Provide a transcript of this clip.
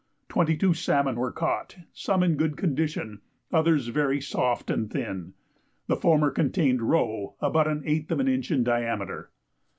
Twenty two salmon were caught, some in good condition, others very soft and thin. The former contained roe about the eighth of an inch in diameter.